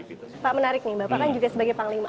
pak menarik nih bapak kan juga sebagai panglima